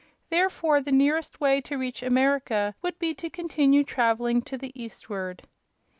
Therefore the nearest way to reach America would be to continue traveling to the eastward.